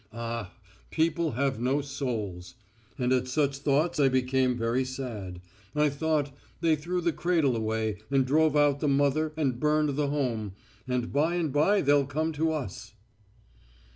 Ah, people have no souls! And at such thoughts I became very sad. I thought they threw the cradle away and drove out the mother and burned the home, and by and by they'll come to us...."